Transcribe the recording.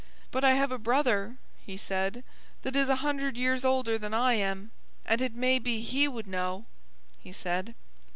But I have a brother," he said, "that is a hundred years older than I am, and it may be he would know," he said.